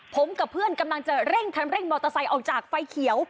ผมกับเพื่อนกำลังจะเร่งคันเร่งมอเตอร์ไซค์ออกจากไฟเขียว